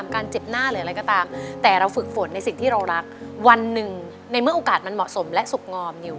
เวลาเราเพียนฝึกฝน